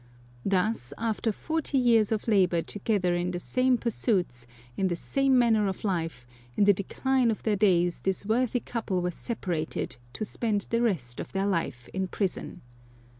Thus, after forty years of labour together in the same pursuits, in the same manner of life, in the decline of their days this worthy couple were separated, to spend the rest of their life in prison.